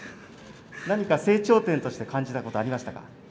何か成長点として感じたことはありましたか？